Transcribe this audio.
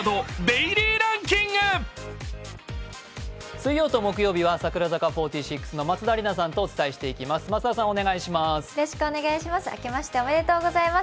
水曜と木曜日は櫻坂４６の松田里奈さんとお伝えしていきます。